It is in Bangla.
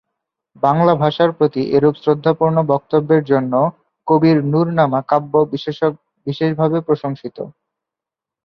বাংলা ভাষার প্রতি এরূপ শ্রদ্ধাপূর্ণ বক্তব্যের জন্য কবির নূরনামা কাব্য বিশেষভাবে প্রশংসিত।